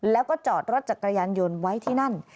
แล้วก็จอดรถจักรยานยนต์ไว้ที่นั่น